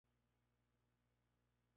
Tuvo por director a Aureliano López Becerra.